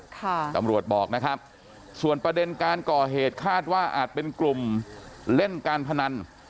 ตำรวจบอกนะครับส่วนประเด็นการก่อเหตุคาดว่าอาจเป็นกลุ่มเล่นการพนัน